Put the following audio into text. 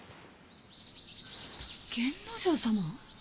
源之丞様！